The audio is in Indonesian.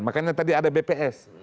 makanya tadi ada bps